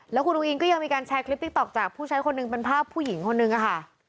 แล้วคุณอุ้งอิงก็ยังมีการแชร์คลิปติ๊กต๊อกจากผู้ใช้คนหนึ่งเป็นภาพผู้หญิงคนนึงค่ะ